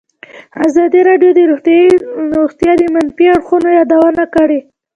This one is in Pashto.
ازادي راډیو د روغتیا د منفي اړخونو یادونه کړې.